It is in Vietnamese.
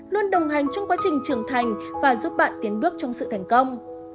luôn đồng hành trong quá trình trưởng thành và giúp bạn tiến bước trong sự thành công